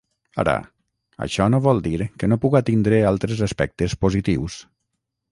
Ara, això no vol dir que no puga tindre altres aspectes positius.